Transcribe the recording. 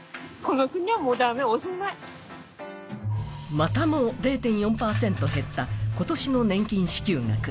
またも０．４％減った、今年の年金支給額。